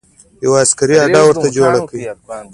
یوه عسکري اډه ورته جوړه کړه.